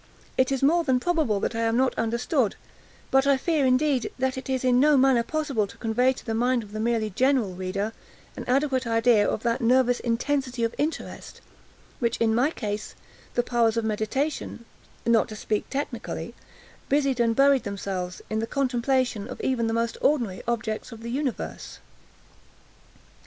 It is more than probable that I am not understood; but I fear, indeed, that it is in no manner possible to convey to the mind of the merely general reader, an adequate idea of that nervous intensity of interest with which, in my case, the powers of meditation (not to speak technically) busied and buried themselves, in the contemplation of even the most ordinary objects of the universe.